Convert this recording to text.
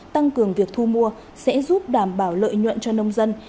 thường việc thu mua sẽ giúp đảm bảo lợi nhuận cho nông dân